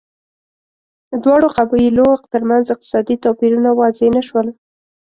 دواړو قبیلو ترمنځ اقتصادي توپیرونه واضح نه شول